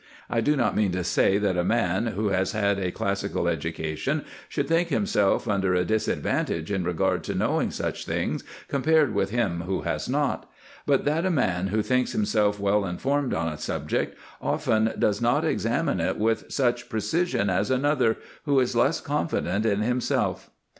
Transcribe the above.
I do not mean to say, that a man, who has had a clas sical education, should think himself under a disadvantage in regard to knowing such things, compared with him who has not ; but, that a man, who thinks himself Avell informed on a subject, often does not examine it with such precision as another, who is less confident in himself.